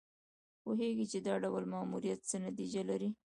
پوهېږي چې دا ډول ماموریت څه نتیجه لري.